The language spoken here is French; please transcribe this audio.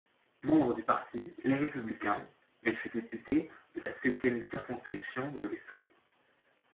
Membre du parti Les Républicains, elle fut députée de la septième circonscription de l'Essonne.